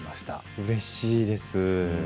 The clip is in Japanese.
うれしいです。